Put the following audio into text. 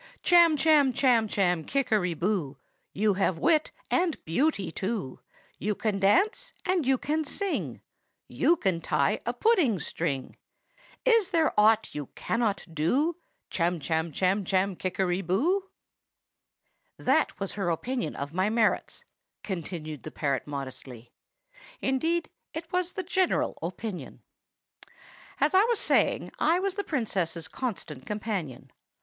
"'Chamchamchamchamkickeryboo, You have wit and beauty, too; You can dance, and you can sing; You can tie a pudding string. Is there aught you cannot do, Chamchamchamchamkickeryboo?' "That was her opinion of my merits," continued the parrot modestly. "Indeed, it was the general opinion. "As I was saying, I was the Princess's constant companion.